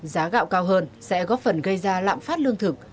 giá gạo cao hơn sẽ góp phần gây ra lạm phát lương thực